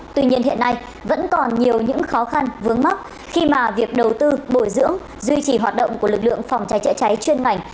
tuy nhiên hiện nay vẫn còn nhiều những khó khăn vướng mắt khi mà việc đầu tư bồi dưỡng duy trì hoạt động của lực lượng phòng cháy chữa cháy chuyên ngành